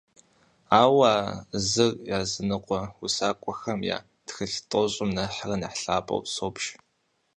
Ауэ а зыр языныкъуэ усакӀуэхэм я тхылъ тӀощӀым нэхърэ нэхъ лъапӀэу собж.